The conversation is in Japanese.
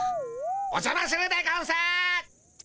おじゃまするでゴンス。